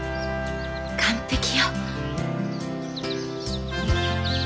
完璧よ。